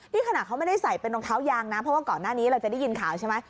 นี่ขณะเขาไม่ได้ใส่เป็นรองเท้ายางนะเพราะว่าก่อนหน้านี้เราจะได้ยินข่าวใช่ไหม